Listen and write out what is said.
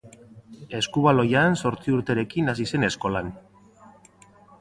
Eskubaloian zortzi urterekin hasi zen eskolan.